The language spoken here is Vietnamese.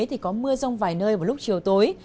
thì có mưa rông vài nơi vào lúc chiều tối